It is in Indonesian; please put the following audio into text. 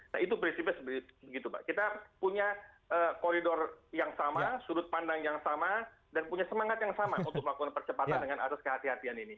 nah itu prinsipnya seperti itu pak kita punya koridor yang sama sudut pandang yang sama dan punya semangat yang sama untuk melakukan percepatan dengan atas kehatian ini